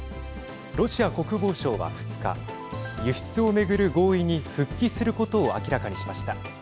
ロシア国防省は２日輸出を巡る合意に復帰することを明らかにしました。